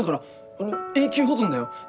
あの永久保存だよ。